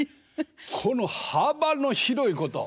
この幅の広いこと。